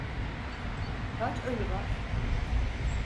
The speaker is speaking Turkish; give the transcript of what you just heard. Kaç ölü var?